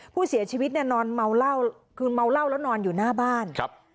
ผู้เสียชีวิตเนี่ยนอนเมาเหล้าคือเมาเหล้าแล้วนอนอยู่หน้าบ้านครับ